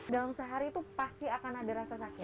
dalam sehari itu pasti akan ada rasa sakit